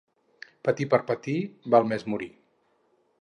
Patir per patir, val més morir.